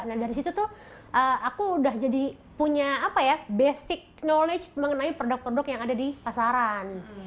nah dari situ tuh aku udah jadi punya apa ya basic knowledge mengenai produk produk yang ada di pasaran